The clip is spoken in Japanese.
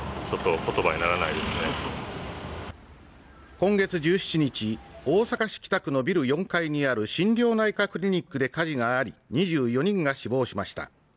今月１７日大阪市北区のビル４階にある心療内科クリニックで火事があり２４人が死亡しました